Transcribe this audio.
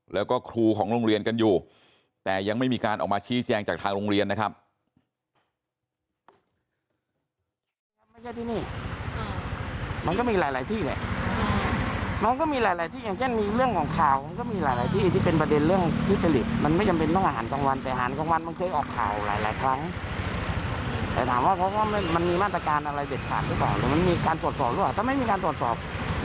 แล้วก็ครูของโรงเรียนกันอยู่แต่ยังไม่มีการออกมาชี้แจงจากทางโรงเรียนนะครับ